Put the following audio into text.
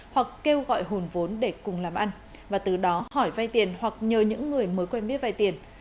hoặc kêu gọi hồn vốn để cùng làm ăn và từ đó hỏi vay tiền hoặc nhờ những người mới quen biết vay tiền